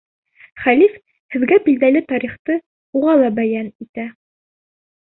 Хәлиф һеҙгә билдәле тарихты уға ла бәйән итә.